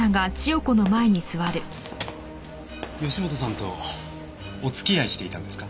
義本さんとお付き合いしていたんですか？